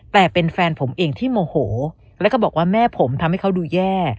แต่เป็นแฟนผมเองที่โมโหแล้วก็บอกว่าแม่ผมทำให้เขาดูแย่